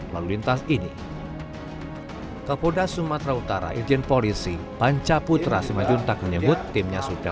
lalu lintas ini ke polda sumatera utara irjen polisi pancaputra semajuntak menyebut timnya sudah